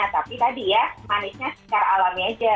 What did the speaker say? tapi tadi ya manisnya secara alami aja